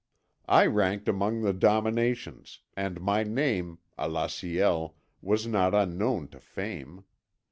"I ranked among the Dominations, and my name, Alaciel, was not unknown to fame.